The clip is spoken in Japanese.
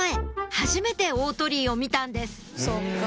はじめて大鳥居を見たんです